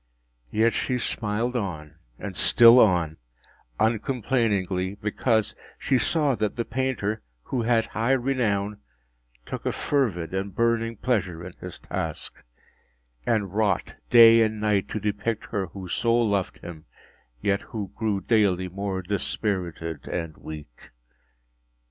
Yet she smiled on and still on, uncomplainingly, because she saw that the painter (who had high renown) took a fervid and burning pleasure in his task, and wrought day and night to depict her who so loved him, yet who grew daily more dispirited and weak.